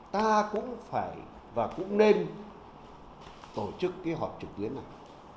ta cũng phải và cũng nên tổ chức cái họp trực tuyến này